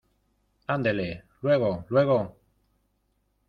andele, luego , luego.